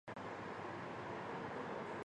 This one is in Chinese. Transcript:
母亲为侧室本庄阿玉之方。